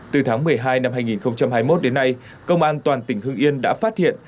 từ tháng một mươi hai năm hai nghìn hai mươi một đến nay công an toàn tỉnh hưng yên đã phát hiện